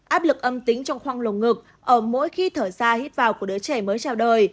áp lực âm tính trong khoang lồng ngực ở mỗi khi thở ra hít vào của đứa trẻ mới chào đời